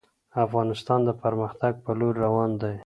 افغانستان د پرمختګ په لوري روان دی.